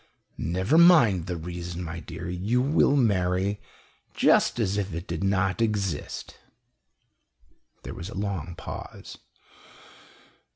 "Never mind the reason, my dear. You will marry just as if it did not exist." There was a long pause.